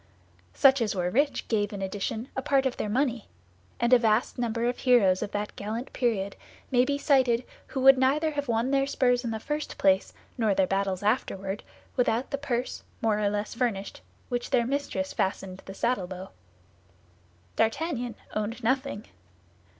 Such as were rich gave in addition a part of their money; and a vast number of heroes of that gallant period may be cited who would neither have won their spurs in the first place, nor their battles afterward, without the purse, more or less furnished, which their mistress fastened to the saddle bow. D'Artagnan owned nothing.